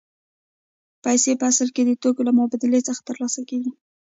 پیسې په اصل کې د توکو له مبادلې څخه ترلاسه کېږي